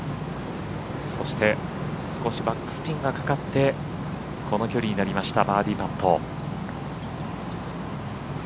そして少しバックスピンがかかってこの距離になりましたバーディーパット。